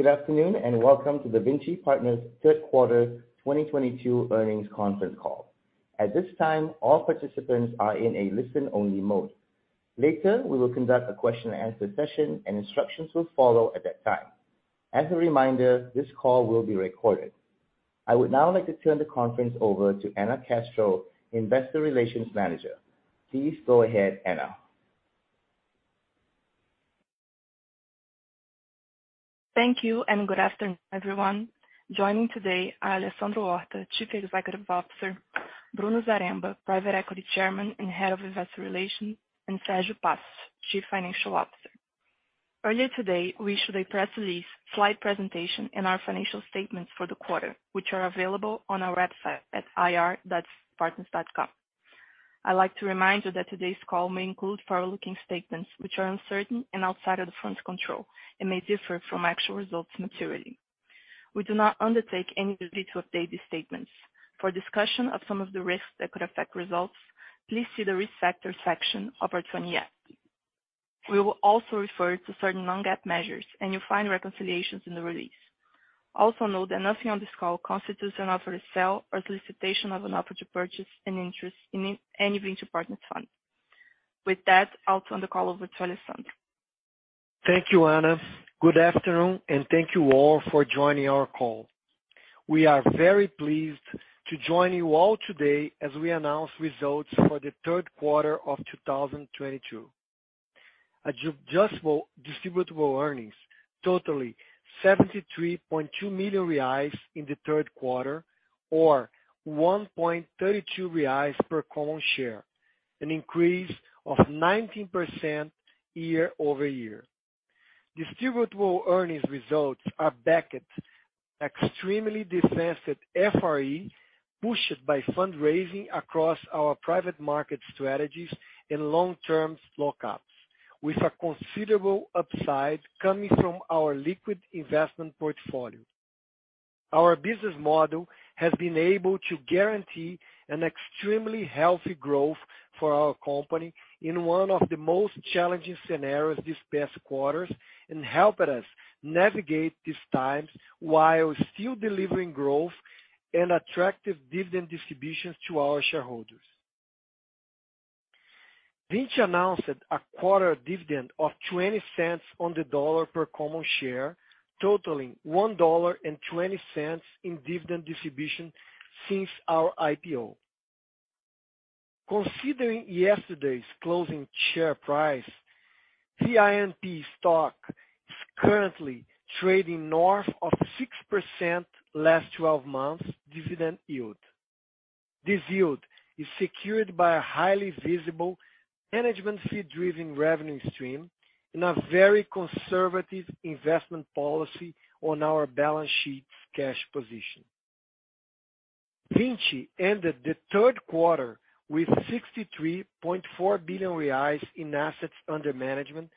Good afternoon and welcome to the Vinci Partners Q3 2022 earnings conference call. At this time, all participants are in a listen-only mode. Later, we will conduct a question and answer session and instructions will follow at that time. As a reminder, this call will be recorded. I would now like to turn the conference over to Anna Castro, Investor Relations Manager. Please go ahead, Anna. Thank you and good afternoon, everyone. Joining today are Alessandro Horta, Chief Executive Officer, Bruno Zaremba, Private Equity Chairman and Head of Investor Relations, and Sergio Passos, Chief Financial Officer. Earlier today, we issued a press release, slide presentation, and our financial statements for the quarter, which are available on our website at ir.vincipartners.com. I'd like to remind you that today's call may include forward-looking statements which are uncertain and outside of the firm's control and may differ from actual results materially. We do not undertake any duty to update these statements. For discussion of some of the risks that could affect results, please see the Risk Factors section of our 20-F. We will also refer to certain non-GAAP measures, and you'll find reconciliations in the release. Also note that nothing on this call constitutes an offer to sell or solicitation of an offer to purchase an interest in any Vinci Partners fund. With that, I'll turn the call over to Alessandro. Thank you, Anna. Good afternoon, and thank you all for joining our call. We are very pleased to join you all today as we announce results for the Q3 of 2022. Adjustable Distributable Earnings totaling 73.2 million reais in the Q3 or 1.32 reais per common share, an increase of 19% year-over-year. Distributable Earnings results are backed by extremely defensive FRE, pushed by fundraising across our private market strategies and long-term lockups, with a considerable upside coming from our liquid investment portfolio. Our business model has been able to guarantee an extremely healthy growth for our company in one of the most challenging scenarios these past quarters, in helping us navigate these times while still delivering growth and attractive dividend distributions to our shareholders. Vinci announced a quarter dividend of $0.20 per common share, totaling $1.20 in dividend distribution since our IPO. Considering yesterday's closing share price, VINP stock is currently trading north of 6% last 12 months dividend yield. This yield is secured by a highly visible management fee-driven revenue stream and a very conservative investment policy on our balance sheet's cash position. Vinci ended the Q3 with 63.4 billion reais in assets under management,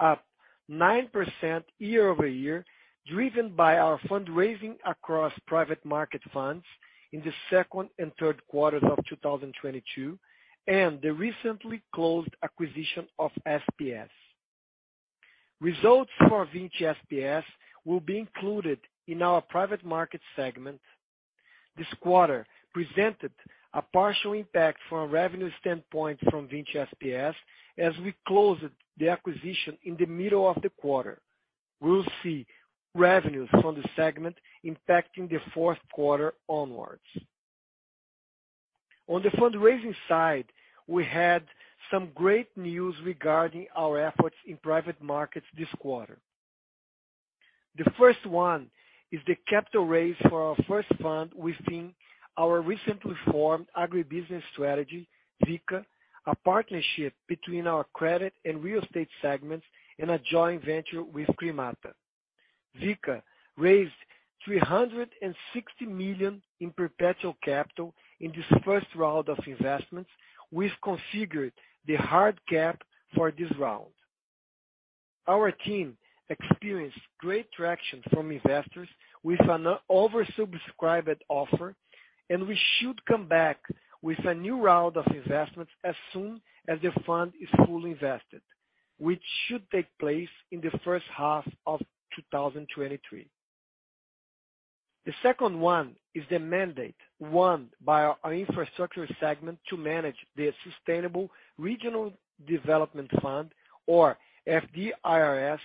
up 9% year-over-year, driven by our fundraising across private market funds in the Q2 and Q3s of 2022, and the recently closed acquisition of SPS. Results for Vinci SPS will be included in our private market segment. This quarter presented a partial impact from a revenue standpoint from Vinci SPS as we closed the acquisition in the middle of the quarter. We'll see revenues from the segment impacting the Q4 onwards. On the fundraising side, we had some great news regarding our efforts in private markets this quarter. The first one is the capital raise for our first fund within our recently formed agribusiness strategy, VICA, a partnership between our credit and real estate segments and a joint venture with Kremerata. VICA raised 360 million in perpetual capital in this first round of investments, which configured the hard cap for this round. Our team experienced great traction from investors with an oversubscribed offer, and we should come back with a new round of investments as soon as the fund is fully invested, which should take place in the H1 of 2023. The second one is the mandate won by our infrastructure segment to manage the Sustainable Regional Development Fund or FDIRS.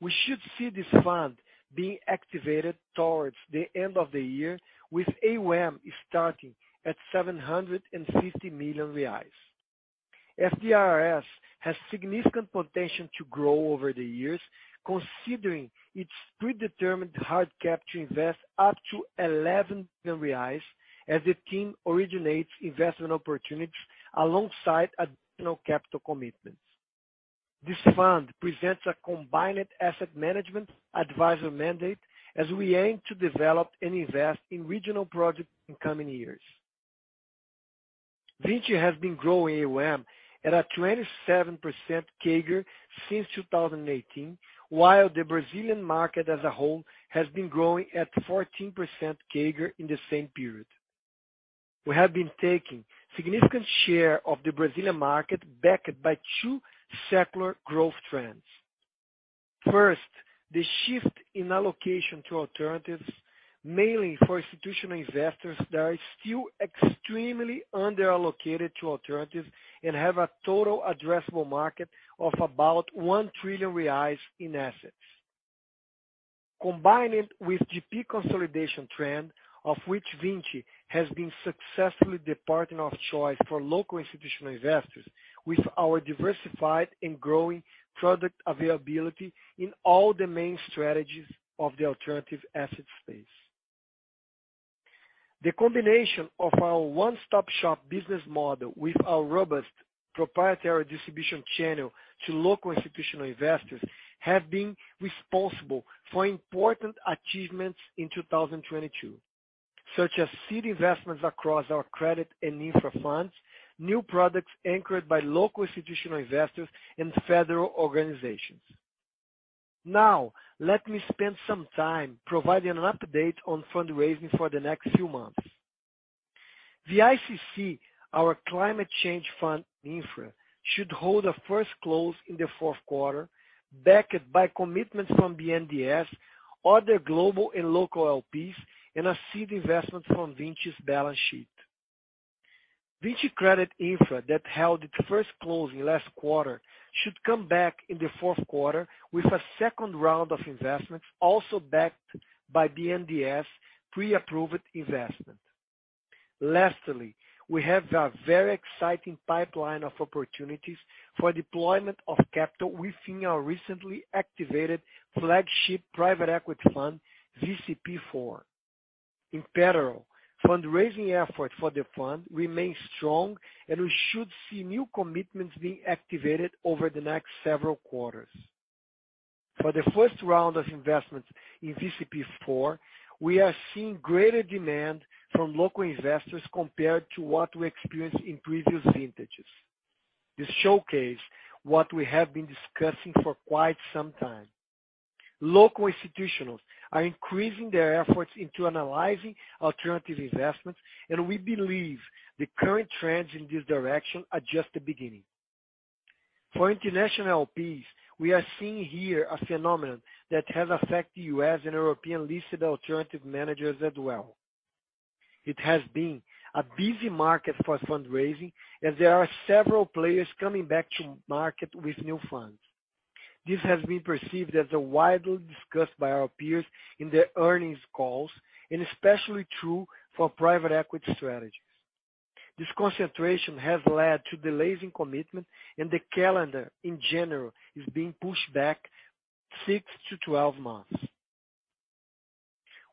We should see this fund being activated towards the end of the year, with AUM starting at 750 million reais. FDIRS has significant potential to grow over the years, considering its predetermined hard cap to invest up to 11 billion reais as the team originates investment opportunities alongside additional capital commitments. This fund presents a combined asset management advisor mandate as we aim to develop and invest in regional projects in coming years. Vinci has been growing AUM at a 27% CAGR since 2018, while the Brazilian market as a whole has been growing at 14% CAGR in the same period. We have been taking significant share of the Brazilian market backed by two secular growth trends. First, the shift in allocation to alternatives, mainly for institutional investors that are still extremely under-allocated to alternatives and have a total addressable market of about 1 trillion reais in assets. Combined with GP consolidation trend, of which Vinci has been successfully the partner of choice for local institutional investors with our diversified and growing product availability in all the main strategies of the alternative asset space. The combination of our one-stop shop business model with our robust proprietary distribution channel to local institutional investors have been responsible for important achievements in 2022, such as seed investments across our credit and infra funds, new products anchored by local institutional investors and federal organizations. Now, let me spend some time providing an update on fundraising for the next few months. The VICC, our climate change fund infra, should hold a first close in the Q4, backed by commitments from BNDES, other global and local LPs, and a seed investment from Vinci's balance sheet. Vinci Credit Infra that held its first close in last quarter should come back in the Q4 with a second round of investment also backed by BNDES pre-approved investment. Lastly, we have a very exciting pipeline of opportunities for deployment of capital within our recently activated flagship private equity fund, VCP4. In parallel, fundraising effort for the fund remains strong, and we should see new commitments being activated over the next several quarters. For the first round of investment in VCP4, we are seeing greater demand from local investors compared to what we experienced in previous vintages. This showcase what we have been discussing for quite some time. Local institutionals are increasing their efforts into analyzing alternative investments, and we believe the current trends in this direction are just the beginning. For international LPs, we are seeing here a phenomenon that has affected U.S. and European-listed alternative managers as well. It has been a busy market for fundraising as there are several players coming back to market with new funds. This has been perceived as widely discussed by our peers in their earnings calls and especially true for private equity strategies. This concentration has led to delays in commitment and the calendar in general is being pushed back 6 months-12 months.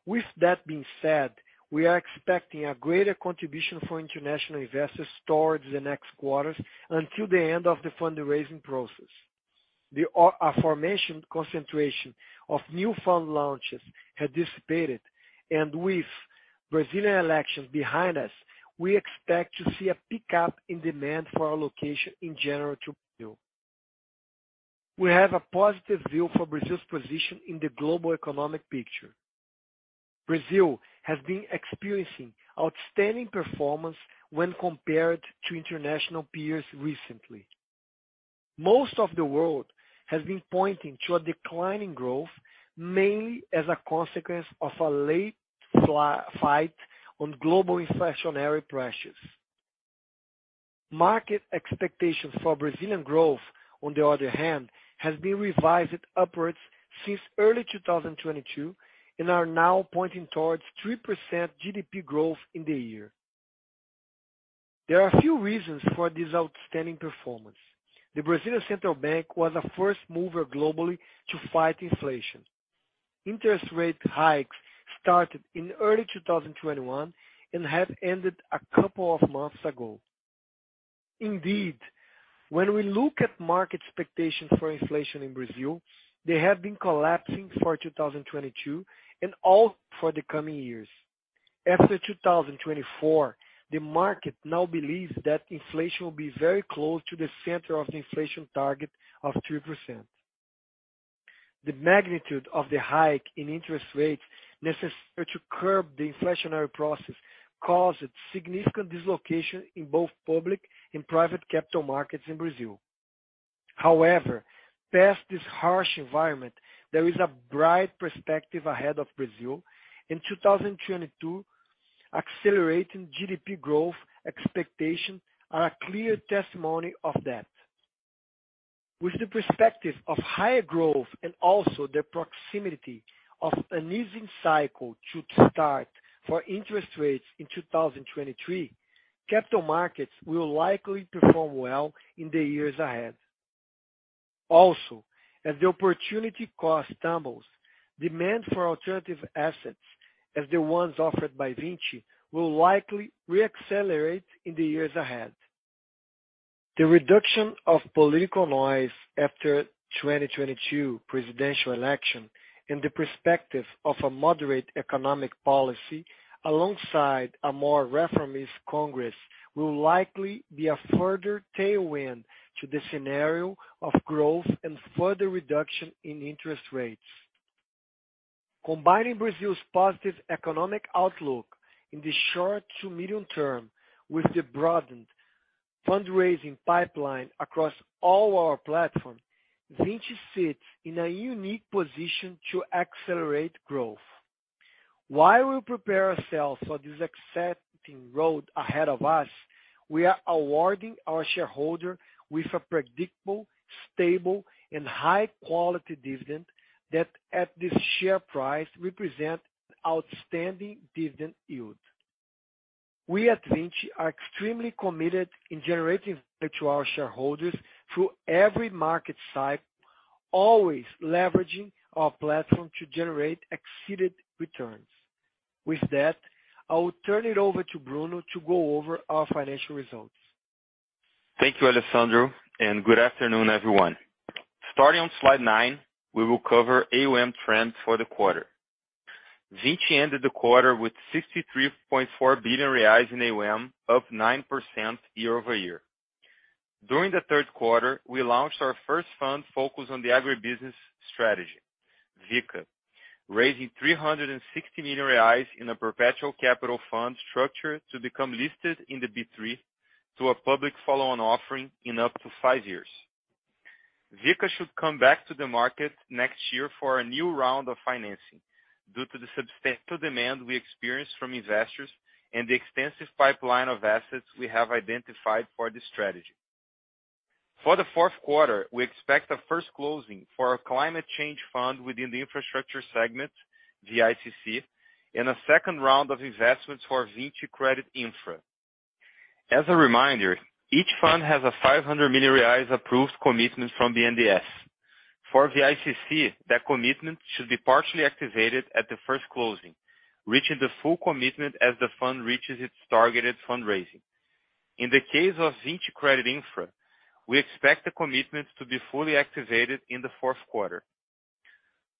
With that being said, we are expecting a greater contribution for international investors towards the next quarters until the end of the fundraising process. The aforementioned concentration of new fund launches had dissipated and with Brazilian elections behind us, we expect to see a pickup in demand for our allocation in general to build. We have a positive view for Brazil's position in the global economic picture. Brazil has been experiencing outstanding performance when compared to international peers recently. Most of the world has been pointing to a decline in growth, mainly as a consequence of a late fight on global inflationary pressures. Market expectations for Brazilian growth, on the other hand, has been revised upwards since early 2022 and are now pointing towards 3% GDP growth in the year. There are a few reasons for this outstanding performance. The Central Bank of Brazil was a first mover globally to fight inflation. Interest rate hikes started in early 2021 and have ended a couple of months ago. Indeed, when we look at market expectations for inflation in Brazil, they have been collapsing for 2022 and all for the coming years. After 2024, the market now believes that inflation will be very close to the center of the inflation target of 3%. The magnitude of the hike in interest rates necessary to curb the inflationary process caused significant dislocation in both public and private capital markets in Brazil. However, past this harsh environment, there is a bright perspective ahead of Brazil in 2022, accelerating GDP growth expectations are a clear testimony of that. With the perspective of higher growth and also the proximity of an easing cycle should start for interest rates in 2023, capital markets will likely perform well in the years ahead. Also, as the opportunity cost tumbles, demand for alternative assets as the ones offered by Vinci will likely re-accelerate in the years ahead. The reduction of political noise after 2022 presidential election and the perspective of a moderate economic policy alongside a more reformist Congress will likely be a further tailwind to the scenario of growth and further reduction in interest rates. Combining Brazil's positive economic outlook in the short to medium term with the broadened fundraising pipeline across all our platform, Vinci sits in a unique position to accelerate growth. While we prepare ourselves for this exciting road ahead of us, we are rewarding our shareholder with a predictable, stable, and high quality dividend that at this share price represent outstanding dividend yield. We at Vinci are extremely committed in generating value to our shareholders through every market cycle, always leveraging our platform to generate excess returns. With that, I will turn it over to Bruno to go over our financial results. Thank you, Alessandro, and good afternoon, everyone. Starting on slide 9, we will cover AUM trends for the quarter. Vinci ended the quarter with 63.4 billion reais in AUM, up 9% year-over-year. During the Q3, we launched our first fund focused on the agribusiness strategy, VICA, raising 360 million reais in a perpetual capital fund structure to become listed in the B3 through a public follow-on offering in up to five years. VICA should come back to the market next year for a new round of financing due to the substantial demand we experience from investors and the extensive pipeline of assets we have identified for this strategy. For the Q4, we expect a first closing for our climate change fund within the infrastructure segment, VICC, and a second round of investments for Vinci Credit Infra. As a reminder, each fund has a 500 million reais approved commitment from BNDES. For VICC, that commitment should be partially activated at the first closing, reaching the full commitment as the fund reaches its targeted fundraising. In the case of Vinci Credit Infra, we expect the commitment to be fully activated in the Q4.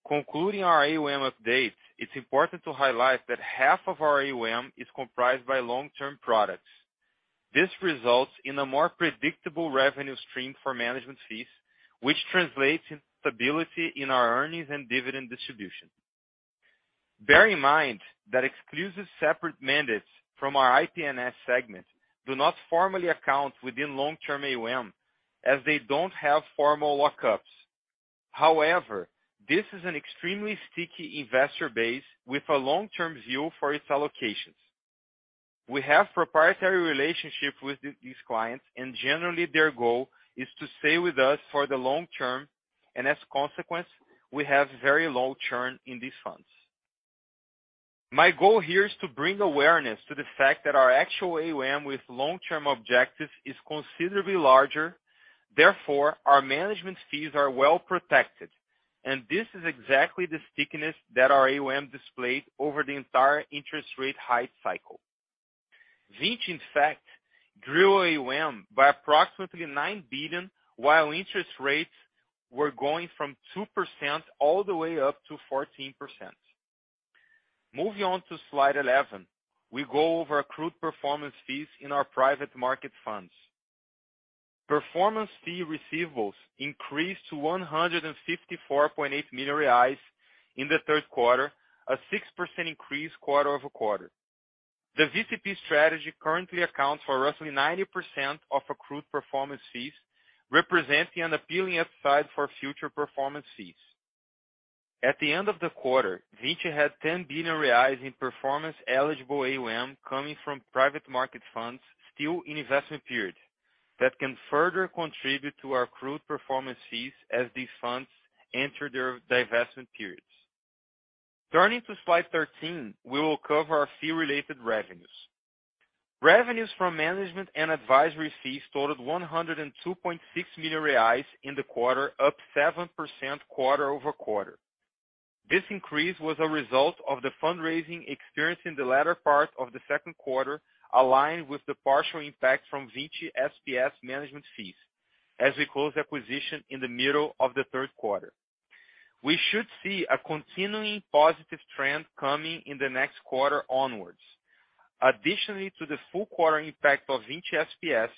Concluding our AUM update, it's important to highlight that half of our AUM is comprised by long-term products. This results in a more predictable revenue stream for management fees, which translates into stability in our earnings and dividend distribution. Bear in mind that exclusive separate mandates from our IP&S segment do not formally account within long-term AUM as they don't have formal lockups. However, this is an extremely sticky investor base with a long-term view for its allocations. We have proprietary relationship with these clients, and generally their goal is to stay with us for the long term, and as a consequence, we have very low churn in these funds. My goal here is to bring awareness to the fact that our actual AUM with long-term objectives is considerably larger. Therefore, our management fees are well-protected, and this is exactly the stickiness that our AUM displayed over the entire interest rate hike cycle. Vinci, in fact, grew AUM by approximately 9 billion while interest rates were going from 2% all the way up to 14%. Moving on to slide 11, we go over accrued performance fees in our private market funds. Performance fee receivables increased to 154.8 million reais in the Q3, a 6% increase quarter-over-quarter. The VCP strategy currently accounts for roughly 90% of accrued performance fees, representing an appealing upside for future performance fees. At the end of the quarter, Vinci had 10 billion reais in performance eligible AUM coming from private market funds still in investment period that can further contribute to our accrued performance fees as these funds enter their divestment periods. Turning to slide 13, we will cover our fee-related revenues. Revenues from management and advisory fees totaled 102.6 million reais in the quarter, up 7% quarter-over-quarter. This increase was a result of the fundraising we experienced in the latter part of the Q2, aligned with the partial impact from Vinci SPS management fees as we closed the acquisition in the middle of the Q3. We should see a continuing positive trend coming in the next quarter onwards. Additionally to the full quarter impact of Vinci SPS,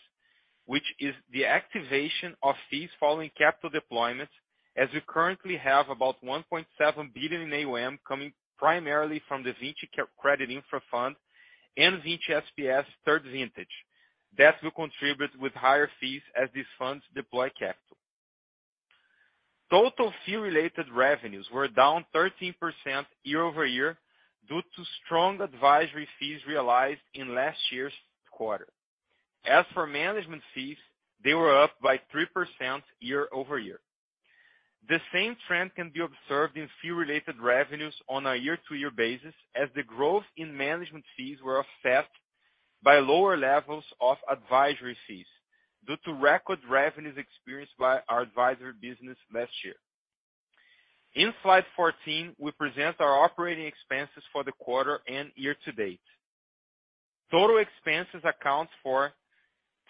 which is the activation of fees following capital deployment, as we currently have about 1.7 billion in AUM coming primarily from the Vinci Credit Infra fund and Vinci SPS third vintage. That will contribute with higher fees as these funds deploy capital. Total fee-related revenues were down 13% year-over-year due to strong advisory fees realized in last year's quarter. As for management fees, they were up by 3% year-over-year. The same trend can be observed in fee-related revenues on a year-to-year basis as the growth in management fees were offset by lower levels of advisory fees due to record revenues experienced by our advisory business last year. In slide 14, we present our operating expenses for the quarter and year-to-date. Total expenses accounts for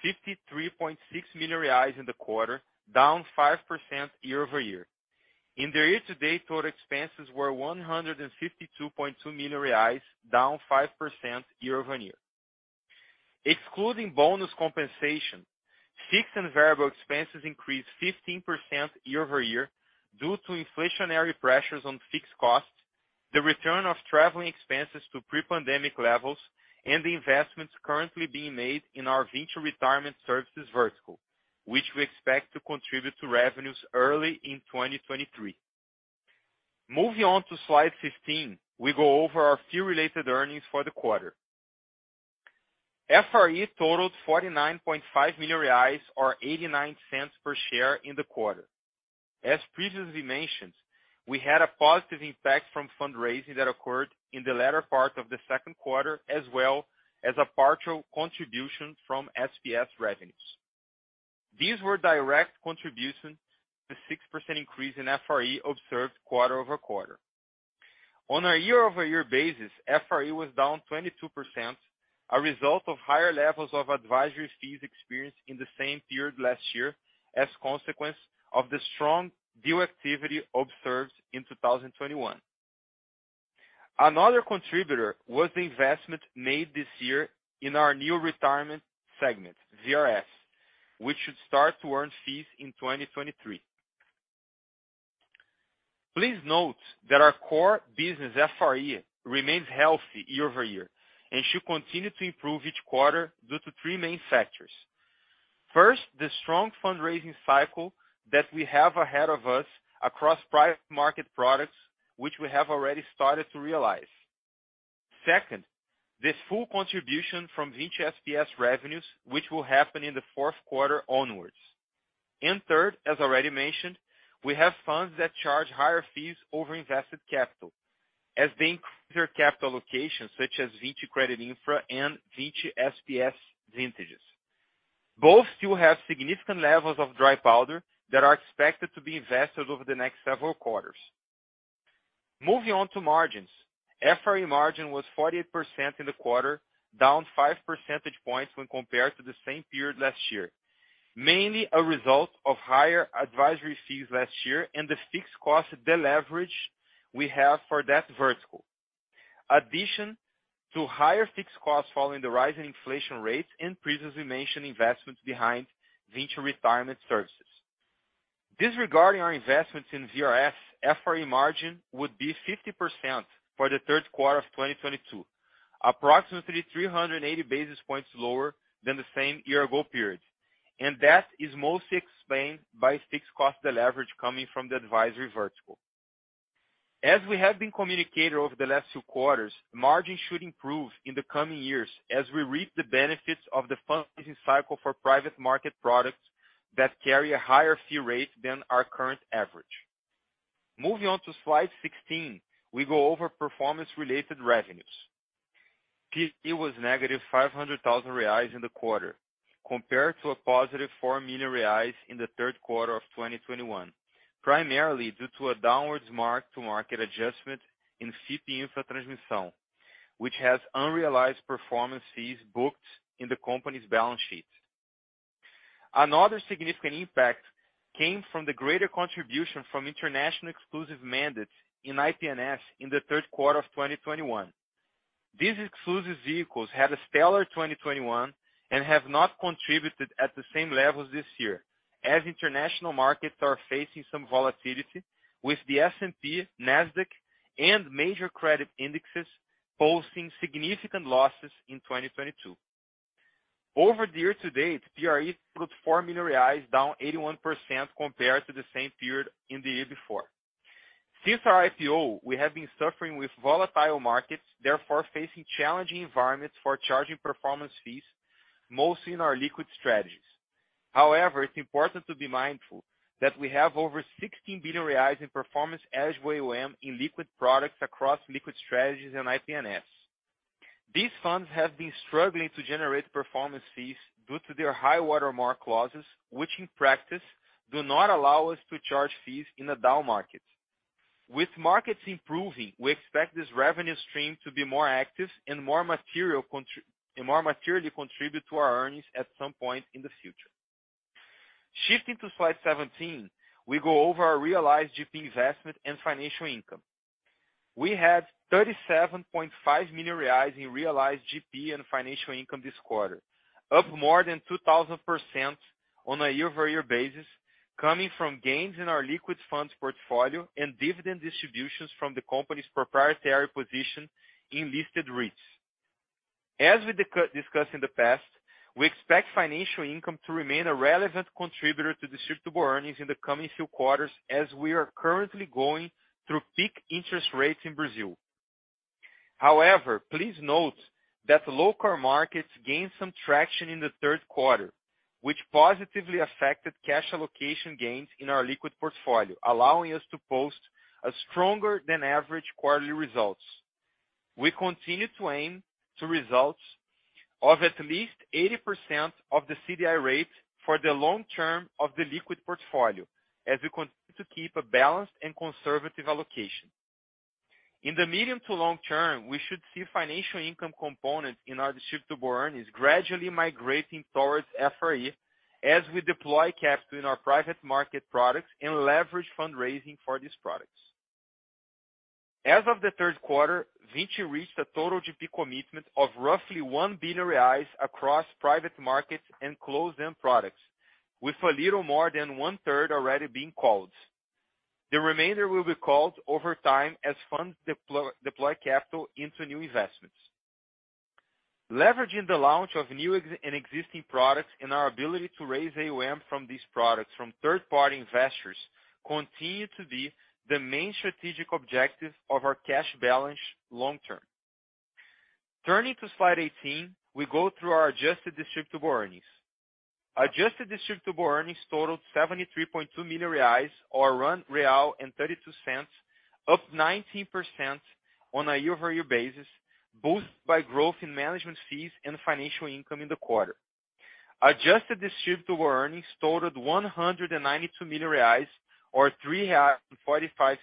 53.6 million reais in the quarter, down 5% year-over-year. In the year-to-date, total expenses were 152.2 million reais, down 5% year-over-year. Excluding bonus compensation, fixed and variable expenses increased 15% year-over-year due to inflationary pressures on fixed costs, the return of traveling expenses to pre-pandemic levels, and the investments currently being made in our Vinci Retirement Services vertical, which we expect to contribute to revenues early in 2023. Moving on to slide 15, we go over our fee-related earnings for the quarter. FRE totaled 49.5 million reais or $0.89 per share in the quarter. As previously mentioned, we had a positive impact from fundraising that occurred in the latter part of the Q2, as well as a partial contribution from SPS revenues. These were direct contribution to 6% increase in FRE observed quarter-over-quarter. On a year-over-year basis, FRE was down 22%, a result of higher levels of advisory fees experienced in the same period last year as consequence of the strong deal activity observed in 2021. Another contributor was the investment made this year in our new retirement segment, VRS, which should start to earn fees in 2023. Please note that our core business FRE remains healthy year-over-year and should continue to improve each quarter due to three main factors. First, the strong fundraising cycle that we have ahead of us across private market products, which we have already started to realize. Second, this full contribution from Vinci SPS revenues, which will happen in the Q4 onwards. Third, as already mentioned, we have funds that charge higher fees over invested capital as they increase their capital allocations such as Vinci Credit Infra and Vinci SPS vintages. Both still have significant levels of dry powder that are expected to be invested over the next several quarters. Moving on to margins. FRE margin was 48% in the quarter, down 5 percentage points when compared to the same period last year. Mainly a result of higher advisory fees last year and the fixed cost deleverage we have for that vertical. In addition to higher fixed costs following the rise in inflation rates and previously mentioned investments behind Vinci Retirement Services. Disregarding our investments in VRS, FRE margin would be 50% for the Q3 of 2022, approximately 380 basis points lower than the same year ago period. That is mostly explained by fixed cost deleverage coming from the advisory vertical. As we have been communicating over the last two quarters, margin should improve in the coming years as we reap the benefits of the fundraising cycle for private market products that carry a higher fee rate than our current average. Moving on to slide 16, we go over performance-related revenues. It was -500,000 reais in the quarter compared to a +4 million reais in the Q3 of 2021, primarily due to a downward mark-to-market adjustment in FIP Infra Transmissão, which has unrealized performance fees booked in the company's balance sheet. Another significant impact came from the greater contribution from international exclusive mandates in IP&S in the Q3 of 2021. These exclusive vehicles had a stellar 2021 and have not contributed at the same levels this year as international markets are facing some volatility with the S&P, Nasdaq, and major credit indexes posting significant losses in 2022. Over the year-to-date, PRE put 4 million reais down 81% compared to the same period in the year before. Since our IPO, we have been suffering with volatile markets, therefore facing challenging environments for charging performance fees, mostly in our liquid strategies. However, it's important to be mindful that we have over 16 billion reais in performance AUM in liquid products across liquid strategies and IP&S. These funds have been struggling to generate performance fees due to their high water mark clauses, which in practice do not allow us to charge fees in a down market. With markets improving, we expect this revenue stream to be more active and more materially contribute to our earnings at some point in the future. Shifting to slide 17, we go over our realized GP investment and financial income. We had 37.5 million reais in realized GP and financial income this quarter, up more than 2,000% on a year-over-year basis, coming from gains in our liquid funds portfolio and dividend distributions from the company's proprietary position in listed REITs. As we discussed in the past, we expect financial income to remain a relevant contributor to Distributable Earnings in the coming few quarters as we are currently going through peak interest rates in Brazil. However, please note that local markets gained some traction in the Q3, which positively affected cash allocation gains in our liquid portfolio, allowing us to post a stronger than average quarterly results. We continue to aim for results of at least 80% of the CDI rate for the long term of the liquid portfolio as we continue to keep a balanced and conservative allocation. In the medium to long term, we should see financial income component in our Distributable Earnings gradually migrating towards FRE as we deploy capital in our private market products and leverage fundraising for these products. As of the Q3, Vinci reached a total GP commitment of roughly 1 billion reais across private markets and closed-end products, with a little more than 1/3 already being called. The remainder will be called over time as funds deploy capital into new investments. Leveraging the launch of new and existing products and our ability to raise AUM from these products from third-party investors continues to be the main strategic objective of our cash balance long term. Turning to slide 18, we go through our Adjusted Distributable Earnings. Adjusted Distributable Earnings totaled 73.2 million reais or 1.32 real, up 19% on a year-over-year basis, boosted by growth in management fees and financial income in the quarter. Adjusted Distributable Earnings totaled 192 million reais, or 3.45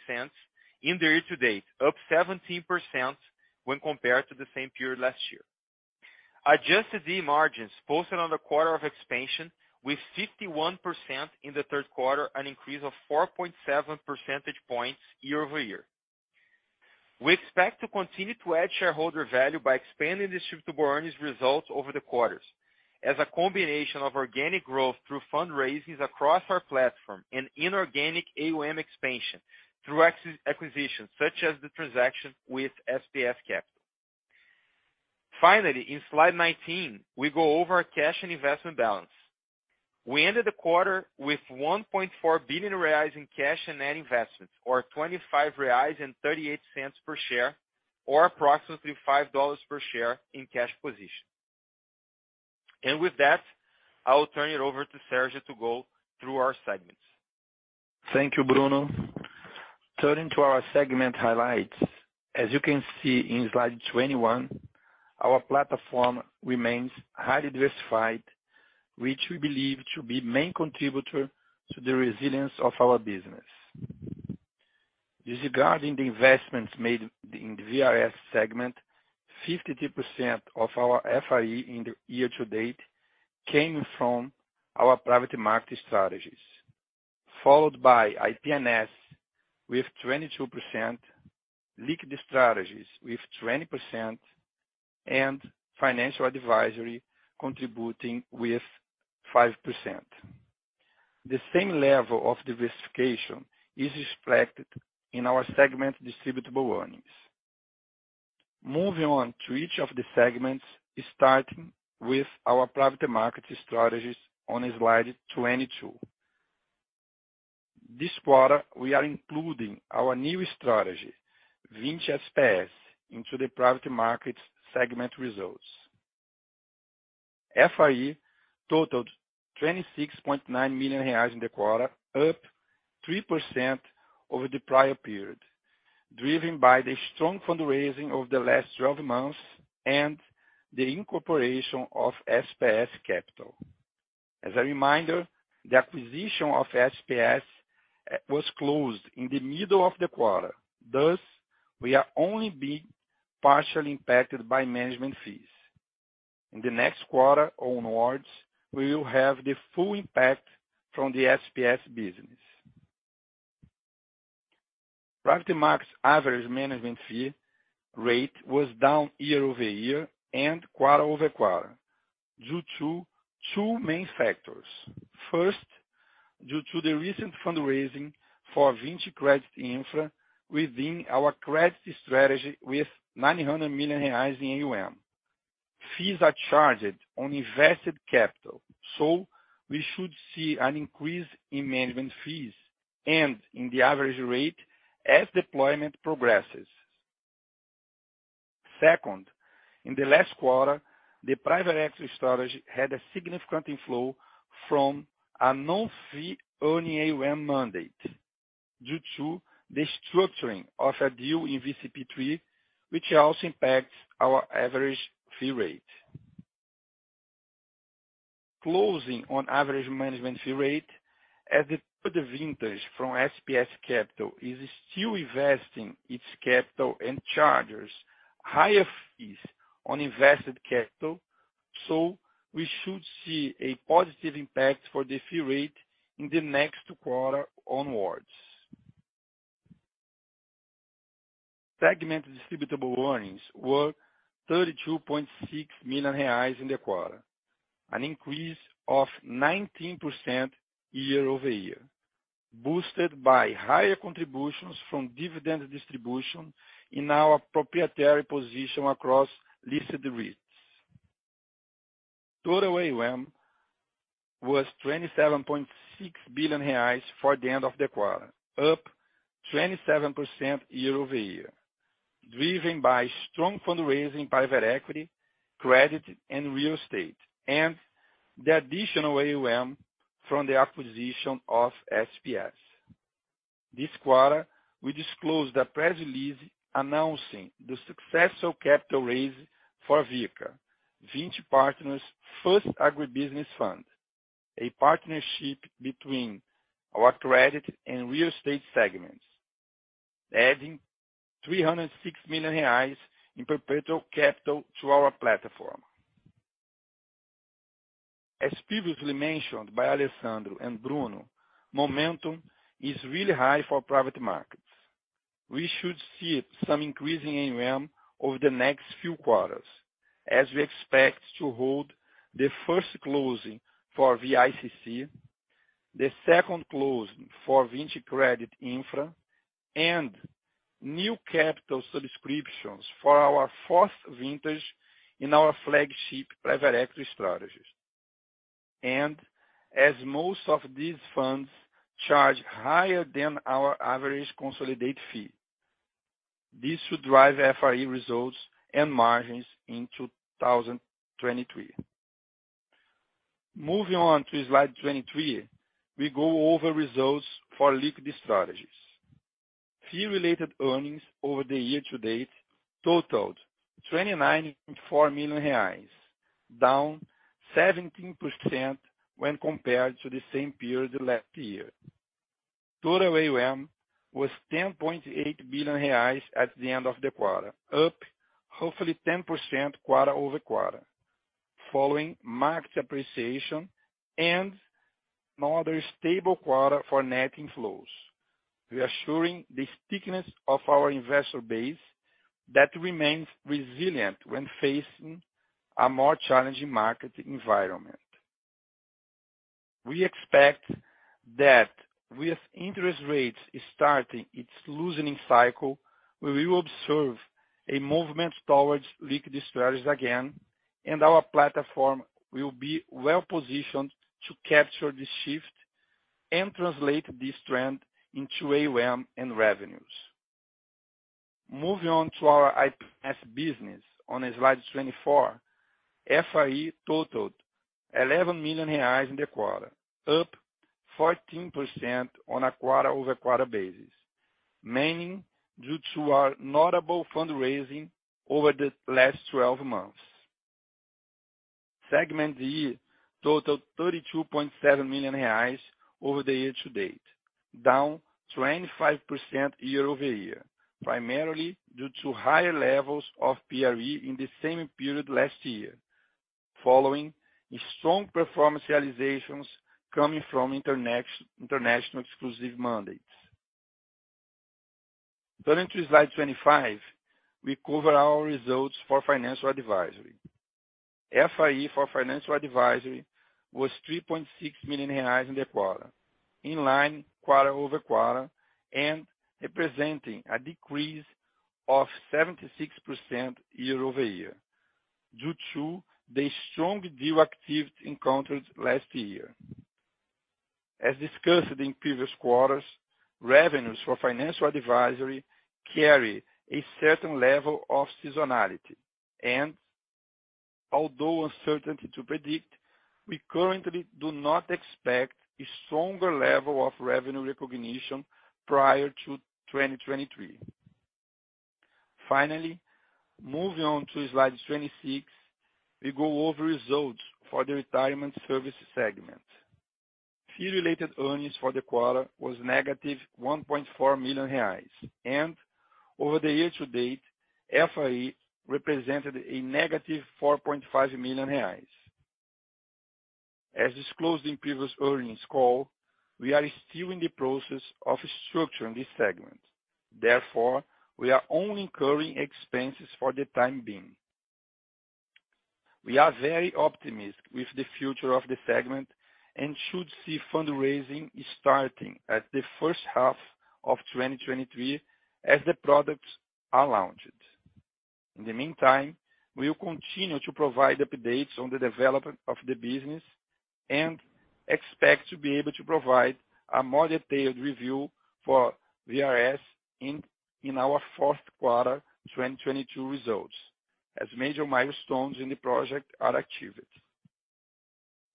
in the year-to-date, up 17% when compared to the same period last year. Adjusted DE margins posted quarter-on-quarter expansion with 51% in the Q3, an increase of 4.7 percentage points year-over-year. We expect to continue to add shareholder value by expanding Distributable Earnings results over the quarters as a combination of organic growth through fundraisings across our platform and inorganic AUM expansion through acquisitions such as the transaction with SPS Capital. Finally, in slide 19, we go over our cash and investment balance. We ended the quarter with 1.4 billion reais in cash and net investments or 25.38 reais per share or approximately $5 per share in cash position. With that, I will turn it over to Sergio to go through our segments. Thank you, Bruno. Turning to our segment highlights, as you can see in slide 21, our platform remains highly diversified, which we believe to be main contributor to the resilience of our business. Disregarding the investments made in the VRS segment, 52% of our FRE in the year-to-date came from our private market strategies, followed by IP&S with 22%, liquid strategies with 20%, and financial advisory contributing with 5%. The same level of diversification is reflected in our segment Distributable Earnings. Moving on to each of the segments, starting with our private market strategies on slide 22. This quarter, we are including our new strategy, Vinci SPS, into the private markets segment results. FRE totaled 26.9 million reais in the quarter, up 3% over the prior period, driven by the strong fundraising over the last 12 months and the incorporation of SPS Capital. As a reminder, the acquisition of SPS was closed in the middle of the quarter. Thus, we are only being partially impacted by management fees. In the next quarter onwards, we will have the full impact from the SPS business. Private markets average management fee rate was down year-over-year and quarter-over-quarter due to two main factors. First, due to the recent fundraising for Vinci Credit Infra within our credit strategy with 900 million reais in AUM. Fees are charged on invested capital, so we should see an increase in management fees and in the average rate as deployment progresses. Second, in the last quarter, the private equity strategy had a significant inflow from a no-fee earning AUM mandate due to the structuring of a deal in VCP III, which also impacts our average fee rate. Closing on average management fee rate as the vintage from SPS Capital is still investing its capital and charges higher fees on invested capital, so we should see a positive impact for the fee rate in the next quarter onwards. Segment Distributable Earnings were 32.6 million reais in the quarter, an increase of 19% year-over-year, boosted by higher contributions from dividend distribution in our proprietary position across listed REITs. Total AUM was 27.6 billion reais for the end of the quarter, up 27% year-over-year, driven by strong fundraising private equity, credit and real estate, and the additional AUM from the acquisition of SPS. This quarter, we disclosed a press release announcing the successful capital raise for VICA, Vinci Partners' first agribusiness fund, a partnership between our credit and real estate segments, adding 306 million reais in perpetual capital to our platform. As previously mentioned by Alessandro and Bruno, momentum is really high for private markets. We should see some increase in AUM over the next few quarters as we expect to hold the first closing for the VICC, the second closing for Vinci Credit Infra, and new capital subscriptions for our fourth vintage in our flagship private equity strategies. Most of these funds charge higher than our average consolidated fee. This should drive FRE results and margins in 2023. Moving on to slide 23, we go over results for liquid strategies. Fee-Related Earnings over the year to date totaled 29.4 million reais, down 17% when compared to the same period last year. Total AUM was 10.8 billion reais at the end of the quarter, up roughly 10% quarter-over-quarter, following marked appreciation and another stable quarter for net inflows, reassuring the stickiness of our investor base that remains resilient when facing a more challenging market environment. We expect that with interest rates starting its loosening cycle, we will observe a movement towards liquid strategies again, and our platform will be well-positioned to capture this shift and translate this trend into AUM and revenues. Moving on to our IP&S business on slide 24, FRE totaled 11 million reais in the quarter, up 14% on a quarter-over-quarter basis, mainly due to our notable fundraising over the last 12 months. Segment fee totaled BRL 32.7 million over the year-to-date, down 25% year-over-year, primarily due to higher levels of PRE in the same period last year, following a strong performance realizations coming from international exclusive mandates. Turning to slide 25, we cover our results for financial advisory. FRE for financial advisory was 3.6 million reais in the quarter, in line quarter-over-quarter and representing a decrease of 76% year-over-year due to the strong deal activity encountered last year. As discussed in previous quarters, revenues for financial advisory carry a certain level of seasonality. Although uncertainty to predict, we currently do not expect a stronger level of revenue recognition prior to 2023. Finally, moving on to slide 26, we go over results for the retirement services segment. Fee-Related Earnings for the quarter was -1.4 million reais, and over the year-to-date, FRE represented -4.5 million reais. As disclosed in previous earnings call, we are still in the process of structuring this segment. Therefore, we are only incurring expenses for the time being. We are very optimistic with the future of the segment and should see fundraising starting at the H1 of 2023 as the products are launched. In the meantime, we will continue to provide updates on the development of the business and expect to be able to provide a more detailed review for VRS in our Q4 2022 results as major milestones in the project are achieved.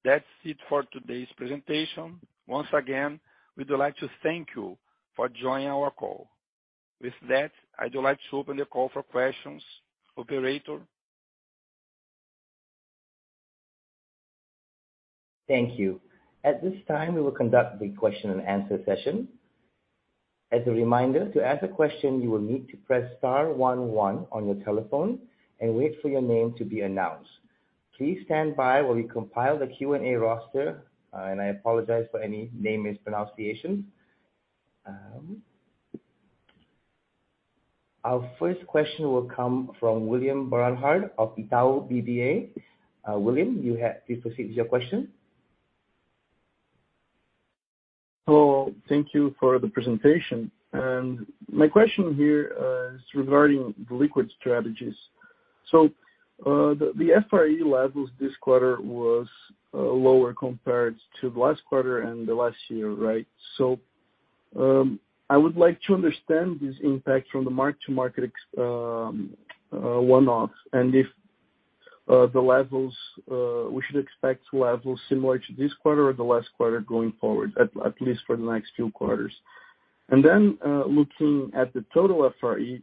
That's it for today's presentation. Once again, we'd like to thank you for joining our call. With that, I'd like to open the call for questions, operator. Thank you. At this time, we will conduct the question-and-answer session. As a reminder, to ask a question, you will need to press star one one on your telephone and wait for your name to be announced. Please stand by while we compile the Q&A roster. I apologize for any name mispronunciation. Our first question will come from William Barranjard of Itaú BBA. William, please proceed with your question. Thank you for the presentation. My question here is regarding the liquid strategies. The FRE levels this quarter was lower compared to the last quarter and the last year, right? I would like to understand this impact from the mark to market one-offs and if the levels we should expect similar to this quarter or the last quarter going forward, at least for the next few quarters. Looking at the total FRE,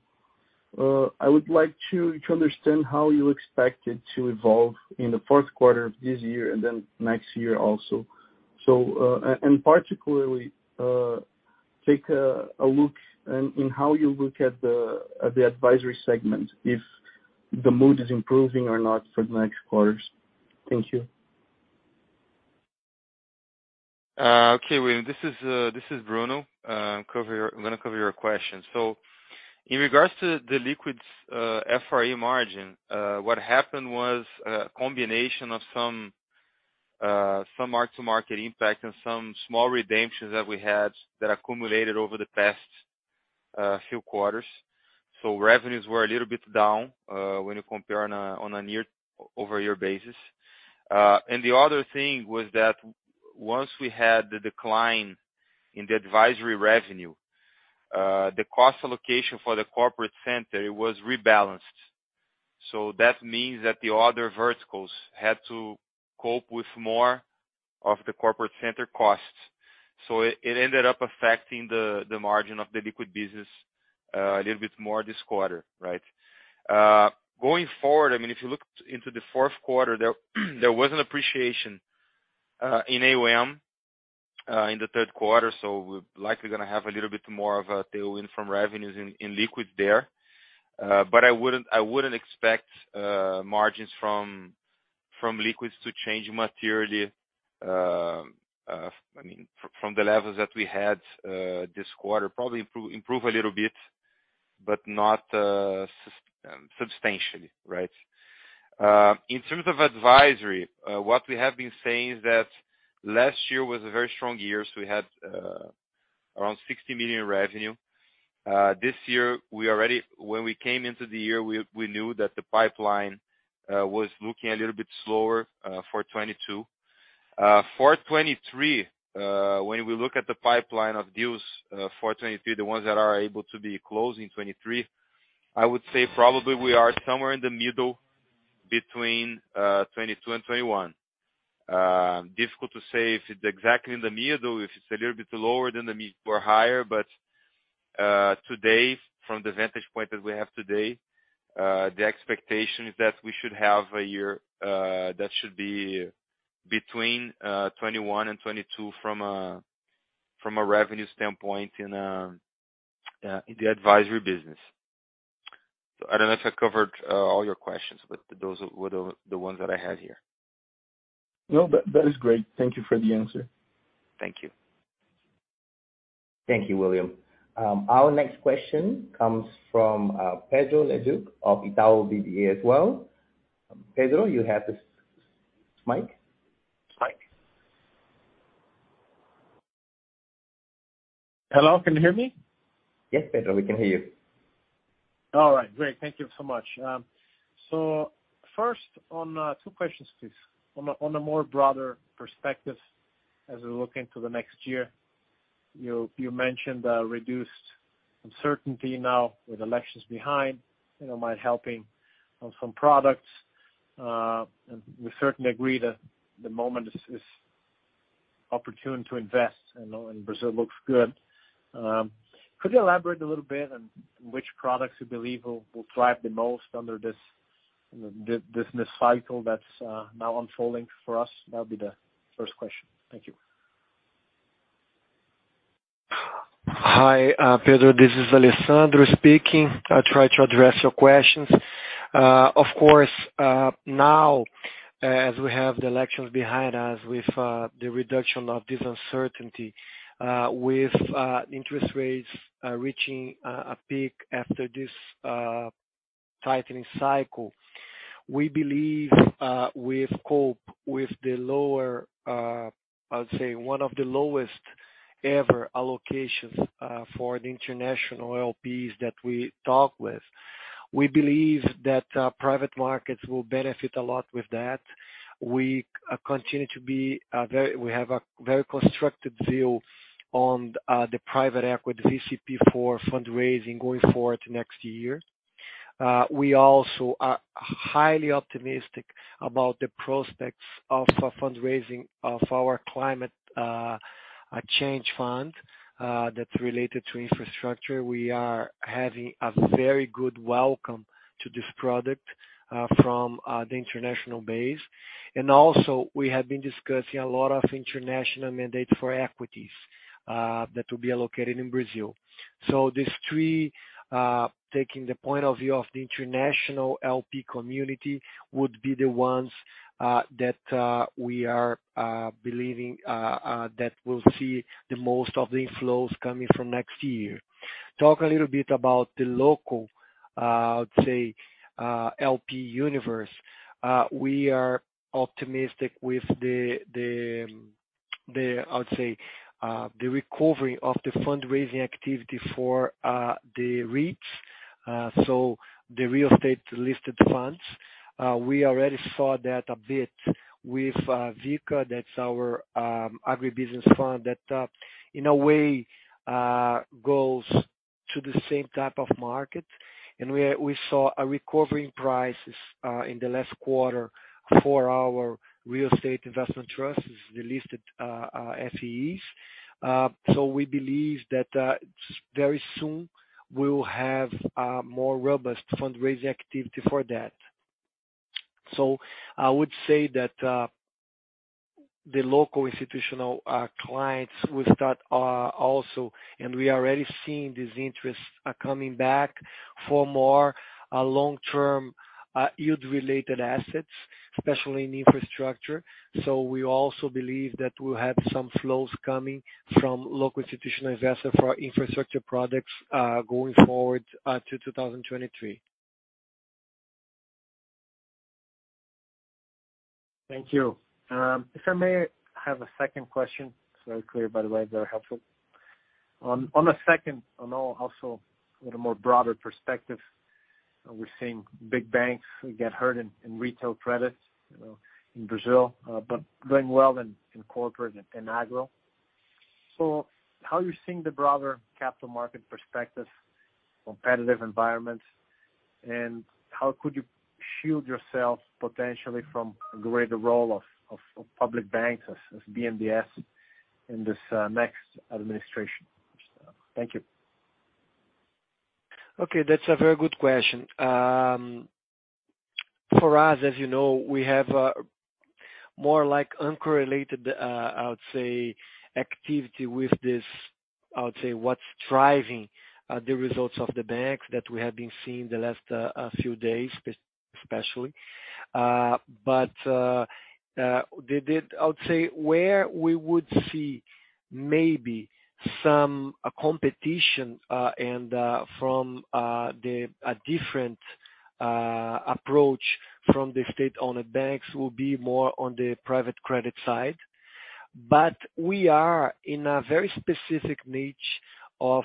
I would like to understand how you expect it to evolve in the Q4 of this year and then next year also. And particularly, take a look at how you look at the advisory segment, if the mood is improving or not for the next quarters. Thank you. William, this is Bruno. I'm gonna cover your question. In regards to the liquid's FRE margin, what happened was a combination of some mark-to-market impact and some small redemptions that we had that accumulated over the past few quarters. Revenues were a little bit down when you compare on a year-over-year basis. The other thing was that once we had the decline in the advisory revenue, the cost allocation for the corporate center was rebalanced. That means that the other verticals had to cope with more of the corporate center costs. It ended up affecting the margin of the liquid business a little bit more this quarter, right? Going forward, I mean, if you looked into the Q4 there was an appreciation in AUM in the Q3, so we're likely gonna have a little bit more of a tailwind from revenues in liquid there. But I wouldn't expect margins from liquids to change materially, I mean from the levels that we had this quarter. Probably improve a little bit, but not substantially, right? In terms of advisory, what we have been saying is that last year was a very strong year, so we had around 60 million revenue. When we came into the year, we knew that the pipeline was looking a little bit slower for 2022. For 2023, when we look at the pipeline of deals for 2023, the ones that are able to be closed in 2023, I would say probably we are somewhere in the middle between 2022 and 2021. Difficult to say if it's exactly in the middle, if it's a little bit lower than the mid or higher, but today, from the vantage point that we have today, the expectation is that we should have a year that should be between 2021 and 2022 from a revenue standpoint in the advisory business. I don't know if I covered all your questions, but those were the ones that I have here. No, that is great. Thank you for the answer. Thank you. Thank you, William. Our next question comes from Pedro Leduc of Itaú BBA as well. Pedro, you have this mic. Mic. Hello, can you hear me? Yes, Pedro, we can hear you. All right. Great. Thank you so much. First on two questions, please. On a more broader perspective as we look into the next year, you mentioned reduced uncertainty now with elections behind, you know, might helping on some products. We certainly agree that the moment is opportune to invest, you know, and Brazil looks good. Could you elaborate a little bit on which products you believe will drive the most under this cycle that's now unfolding for us? That'll be the first question. Thank you. Hi, Pedro. This is Alessandro speaking. I'll try to address your questions. Of course, now, as we have the elections behind us with the reduction of this uncertainty, with interest rates reaching a peak after this tightening cycle, we believe we've coped with the lower, I would say one of the lowest ever allocations for the international LPs that we talk with. We believe that private markets will benefit a lot with that. We have a very constructive view on the private equity VCP for fundraising going forward next year. We also are highly optimistic about the prospects of a fundraising of our climate change fund that's related to infrastructure. We are having a very good welcome to this product from the international base. We have been discussing a lot of international mandates for equities that will be allocated in Brazil. These three, taking the point of view of the international LP community, would be the ones that we are believing that will see the most of the inflows coming from next year. Talk a little bit about the local, I would say, LP universe. We are optimistic with the, I would say, recovery of the fundraising activity for the REITs, so the real estate listed funds. We already saw that a bit with VICA, that's our agribusiness fund that in a way goes to the same type of market. We saw a recovery in prices in the last quarter for our real estate investment trusts, the listed FIIs. We believe that very soon we will have a more robust fundraising activity for that. I would say that the local institutional clients will start also and we are already seeing this interest coming back for more long-term yield related assets, especially in infrastructure. We also believe that we'll have some flows coming from local institutional investors for our infrastructure products going forward to 2023. Thank you. If I may, I have a second question. It's very clear, by the way, very helpful. On the second one, also with a more broader perspective, we're seeing big banks get hurt in retail credits, you know, in Brazil, but doing well in corporate and agro. How are you seeing the broader capital market perspective, competitive environment, and how could you shield yourself potentially from a greater role of public banks as BNDES in this next administration? Thank you. Okay, that's a very good question. For us, as you know, we have a more like uncorrelated activity with this. I would say, what's driving the results of the banks that we have been seeing the last few days especially. I would say where we would see maybe some competition and from a different approach from the state-owned banks will be more on the private credit side. We are in a very specific niche of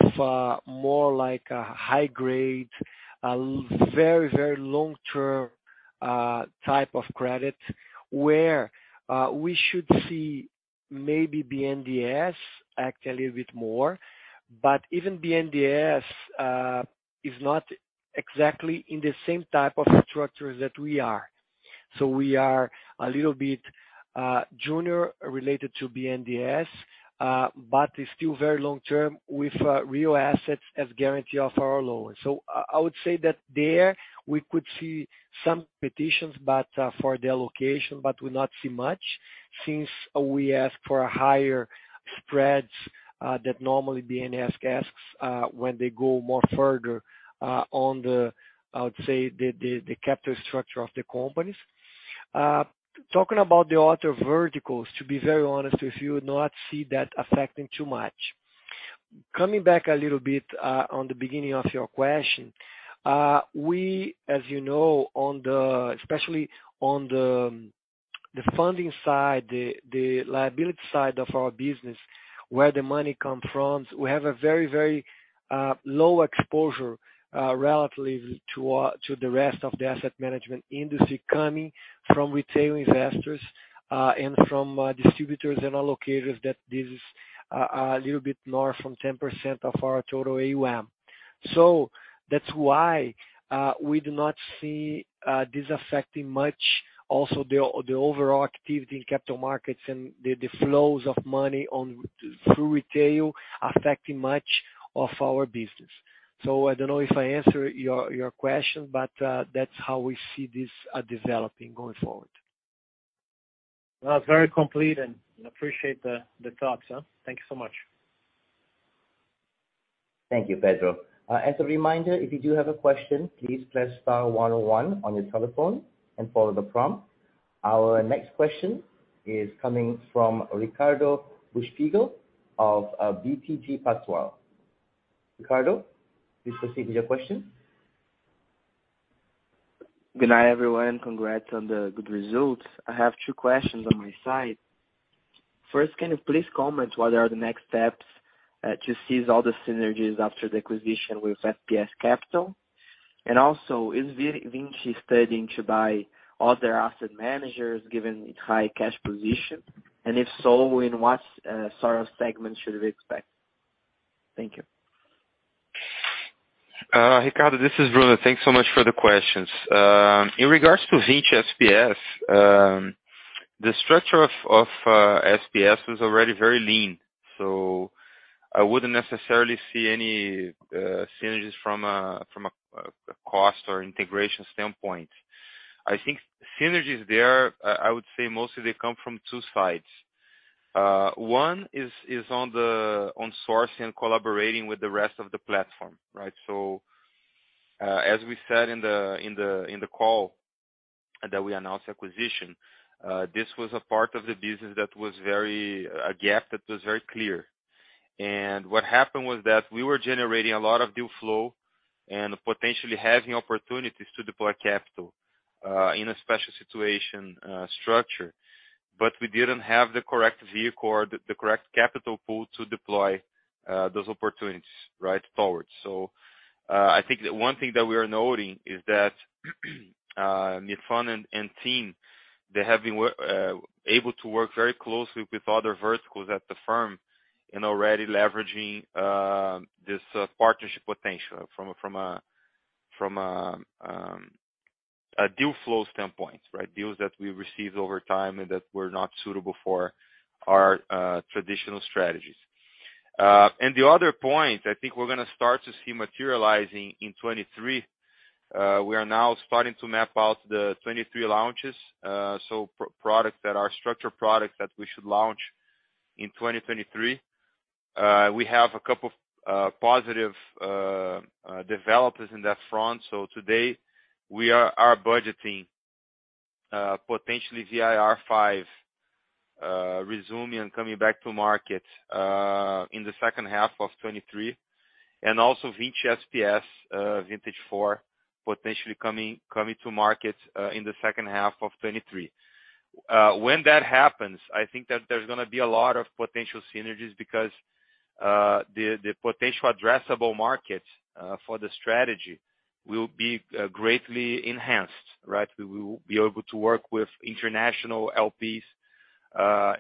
more like a high grade, a very, very long-term type of credit where we should see maybe BNDES act a little bit more, but even BNDES is not exactly in the same type of structure that we are. We are a little bit junior related to BNDES, but it's still very long-term with real assets as guarantee of our loans. I would say that there we could see some competition, but for the allocation, but we not see much since we ask for higher spreads that normally BNDES asks when they go more further on the I would say the capital structure of the companies. Talking about the other verticals, to be very honest with you, we not see that affecting too much. Coming back a little bit on the beginning of your question, we, as you know, especially on the funding side, the liability side of our business, where the money come from, we have a very low exposure relatively to the rest of the asset management industry coming from retail investors and from distributors and allocators that this is a little bit more than 10% of our total AUM. That's why we do not see this affecting much also the overall activity in capital markets and the flows of money through retail affecting much of our business. I don't know if I answered your question, but that's how we see this developing going forward. That's very complete and appreciate the thoughts. Thank you so much. Thank you, Pedro. As a reminder, if you do have a question, please press star one oh one on your telephone and follow the prompt. Our next question is coming from Ricardo Buchpiguel of BTG Pactual. Ricardo, please proceed with your question. Good night, everyone. Congrats on the good results. I have two questions on my side. First, can you please comment what are the next steps to seize all the synergies after the acquisition with SPS Capital? Is Vinci studying to buy other asset managers given its high cash position? If so, in what sort of segment should we expect? Thank you. Ricardo, this is Bruno. Thanks so much for the questions. In regards to Vinci SPS, the structure of SPS was already very lean, so I wouldn't necessarily see any synergies from a cost or integration standpoint. I think synergies there, I would say mostly they come from two sides. One is on sourcing and collaborating with the rest of the platform, right? As we said in the call that we announced acquisition, this was a part of the business that was a gap that was very clear. What happened was that we were generating a lot of deal flow and potentially having opportunities to deploy capital in a special situation structure. We didn't have the correct vehicle or the correct capital pool to deploy those opportunities right forward. I think one thing that we are noting is that Nifong and team they have been able to work very closely with other verticals at the firm and already leveraging this partnership potential from a deal flow standpoint, right? Deals that we received over time and that were not suitable for our traditional strategies. The other point, I think we're gonna start to see materializing in 2023. We are now starting to map out the 2023 launches, so products that are structured products that we should launch in 2023. We have a couple of positive developments in that front. Today we are budgeting potentially VIR V resuming and coming back to market in the H2 of 2023 and also Vinci SPS Vintage IV potentially coming to market in the H2 of 2023. When that happens, I think that there's gonna be a lot of potential synergies because the potential addressable market for the strategy will be greatly enhanced, right? We will be able to work with international LPs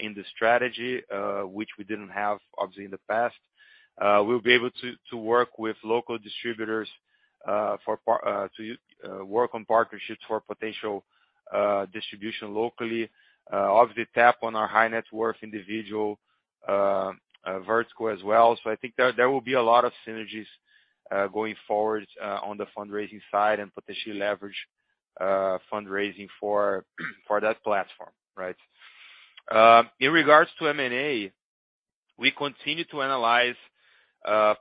in the strategy, which we didn't have obviously in the past. We'll be able to work with local distributors to work on partnerships for potential distribution locally, obviously tap on our high net worth individual vertical as well. I think there will be a lot of synergies going forward on the fundraising side and potentially leverage fundraising for that platform, right? In regards to M&A, we continue to analyze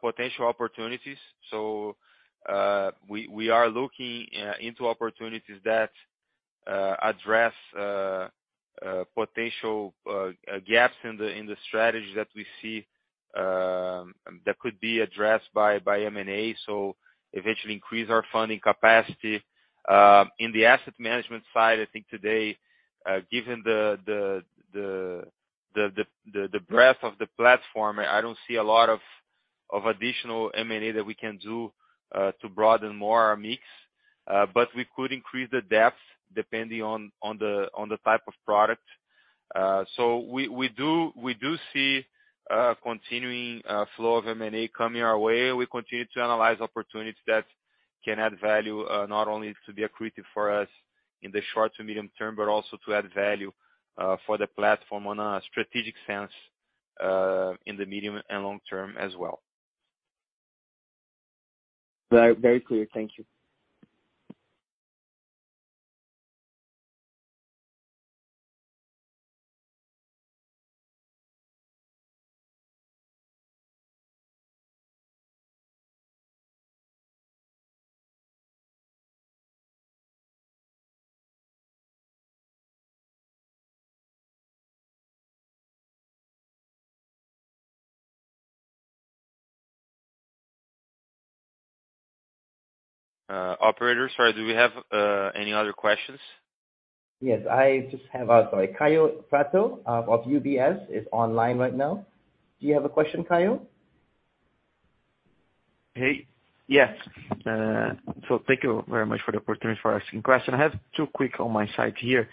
potential opportunities. We are looking into opportunities that address potential gaps in the strategy that we see that could be addressed by M&A, so eventually increase our funding capacity. In the asset management side, I think today, given the breadth of the platform, I don't see a lot of additional M&A that we can do to broaden more our mix. But we could increase the depth depending on the type of product. We do see a continuing flow of M&A coming our way. We continue to analyze opportunities that can add value, not only to be accretive for us in the short to medium term, but also to add value, for the platform on a strategic sense, in the medium and long term as well. Very clear. Thank you. Operator, sorry, do we have any other questions? Yes, sorry, Caio Prato of UBS is online right now. Do you have a question, Caio? Hey. Yes. Thank you very much for the opportunity for asking question. I have two quick ones on my side here.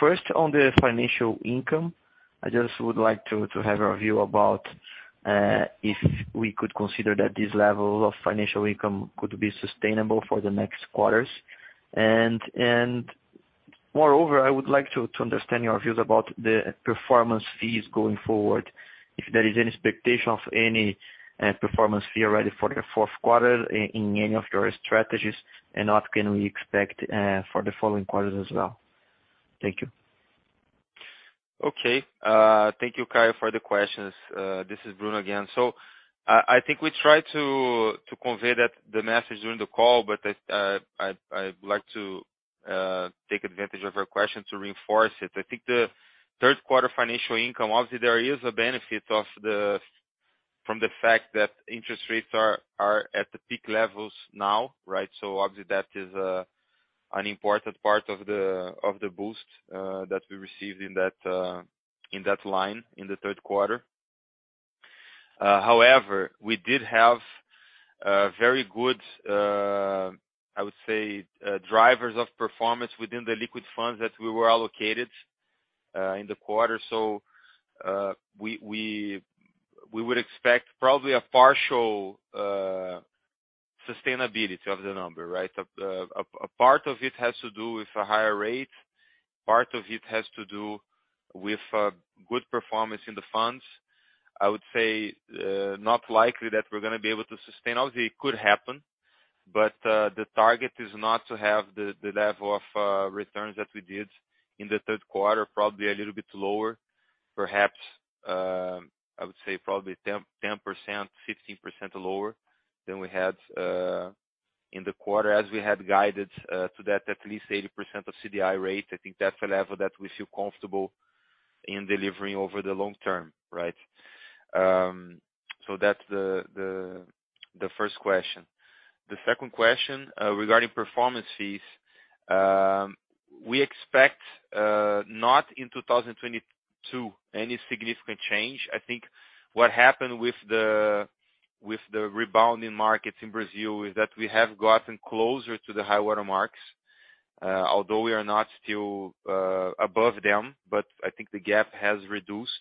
First on the financial income, I just would like to have your view about if we could consider that this level of financial income could be sustainable for the next quarters. Moreover, I would like to understand your views about the performance fees going forward. If there is any expectation of any performance fee already for the Q4 in any of your strategies, and what can we expect for the following quarters as well? Thank you. Okay. Thank you, Caio, for the questions. This is Bruno again. I think we tried to convey that message during the call, but I'd like to take advantage of your question to reinforce it. I think the Q3 financial income, obviously there is a benefit from the fact that interest rates are at the peak levels now, right? Obviously that is an important part of the boost that we received in that line in the Q3. However, we did have very good, I would say, drivers of performance within the liquid funds that we were allocated in the quarter. We would expect probably a partial sustainability of the number, right? A part of it has to do with a higher rate, part of it has to do with good performance in the funds. I would say not likely that we're gonna be able to sustain. Obviously it could happen, but the target is not to have the level of returns that we did in the Q3, probably a little bit lower. Perhaps I would say probably 10%-15% lower than we had in the quarter as we had guided to that at least 80% of CDI rate. I think that's a level that we feel comfortable in delivering over the long term, right? So that's the first question. The second question regarding performance fees. We expect not in 2022 any significant change. I think what happened with the rebounding markets in Brazil is that we have gotten closer to the high water marks, although we are not still above them. I think the gap has reduced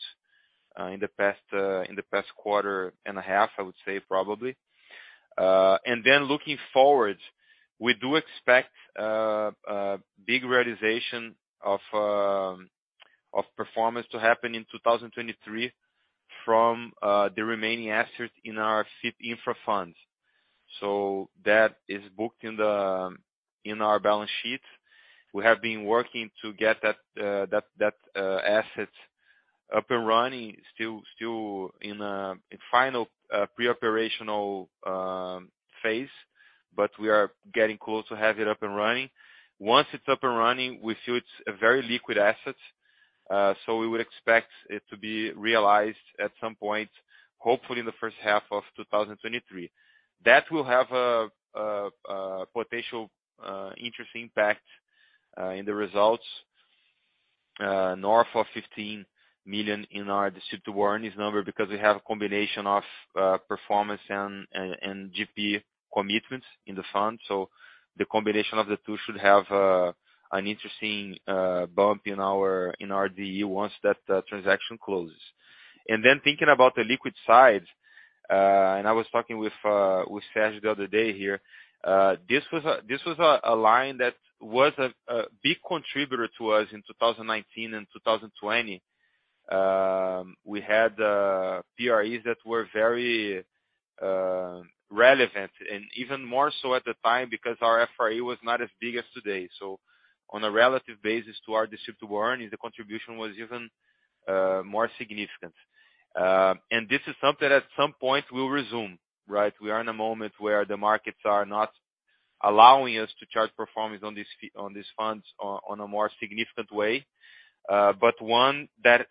in the past quarter and a half, I would say probably. Looking forward, we do expect big realization of performance to happen in 2023 from the remaining assets in our SIF Infra funds. So that is booked in our balance sheet. We have been working to get that asset up and running still in final pre-operational phase, but we are getting close to have it up and running. Once it's up and running, we feel it's a very liquid asset, so we would expect it to be realized at some point, hopefully in the H1 of 2023. That will have a potential interest impact in the results north of $15 million in our Distributable Earnings number because we have a combination of performance and GP commitments in the fund. The combination of the two should have an interesting bump in our DE once that transaction closes. Thinking about the liquid side, and I was talking with Sergio the other day here, this was a line that was a big contributor to us in 2019 and 2020. We had PREs that were very relevant, and even more so at the time because our FRE was not as big as today. On a relative basis to our Distributable Earnings, the contribution was even more significant. This is something at some point we'll resume, right? We are in a moment where the markets are not allowing us to charge performance on these funds on a more significant way. But once that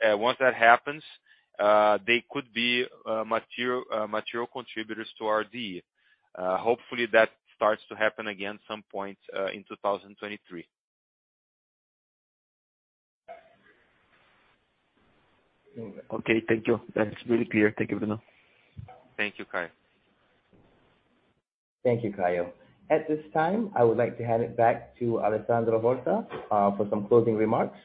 happens, they could be material contributors to our DE. Hopefully, that starts to happen again some point in 2023. Okay. Thank you. That's really clear. Thank you, Bruno. Thank you, Caio. Thank you, Caio. At this time, I would like to hand it back to Alessandro Horta for some closing remarks.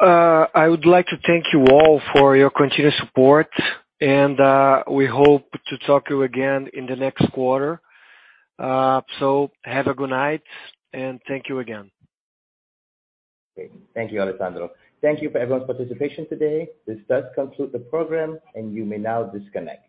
I would like to thank you all for your continued support and we hope to talk to you again in the next quarter. Have a good night, and thank you again. Great. Thank you, Alessandro. Thank you for everyone's participation today. This does conclude the program, and you may now disconnect.